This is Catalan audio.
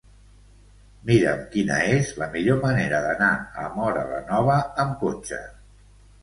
Mira'm quina és la millor manera d'anar a Móra la Nova amb cotxe.